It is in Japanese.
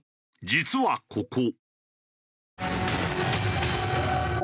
実はここ。